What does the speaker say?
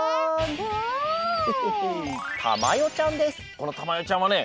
このたまよちゃんはね